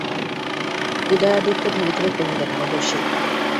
উদয়াদিত্য ধীরে ধীরে কহিলেন, আমি দোষী।